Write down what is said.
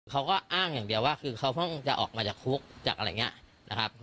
เขาก็อ้างอย่างเดียวว่าคือเขาเพิ่งจะออกมาจากคุกจากอะไรอย่างนี้นะครับ